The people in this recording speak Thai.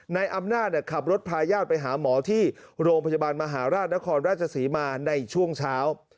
นายอำนาจขับรถพาญาติไปหาหมอที่โรงพยาบาลมหาราชนครราชศรีมาในช่วงเช้า